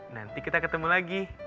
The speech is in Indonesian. nanti kita ketemu lagi